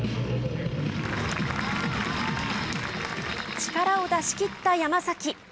力を出し切った山崎。